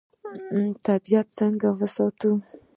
طبیعت څنګه وساتو؟